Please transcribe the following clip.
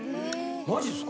マジですか？